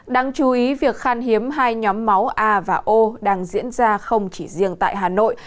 đáng chú ý việc khan hiếm hai nhóm máu a và o đang diễn ra không chỉ riêng tại hà nội